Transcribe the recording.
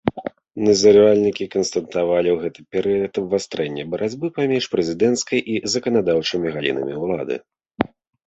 Назіральнікі канстатавалі ў гэты перыяд абвастрэнне барацьбы паміж прэзідэнцкай і заканадаўчай галінамі ўлады.